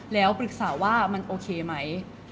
แล้วปรึกษาว่ามันโอเคไหม